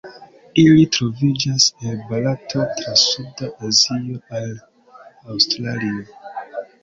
Ili troviĝas el Barato tra suda Azio al Aŭstralio.